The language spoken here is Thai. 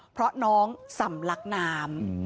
เพราะน้องสำลักน้ำ